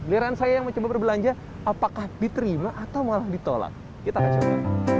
liran saya yang mencoba berbelanja apakah diterima atau malah ditolak kita akan coba